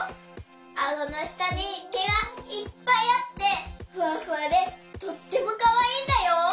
あごのしたにけがいっぱいあってふわふわでとってもかわいいんだよ。